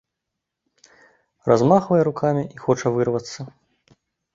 Размахвае рукамі і хоча вырвацца.